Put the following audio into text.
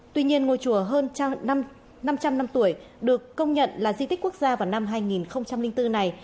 tuy nhiên ngôi chùa hơn năm trăm linh năm tuổi được công nhận là di tích quốc gia vào năm hai nghìn bốn này